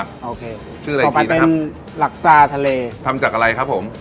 กลับไปเป็นหลักซาทะเลทำจากอะไรครับผม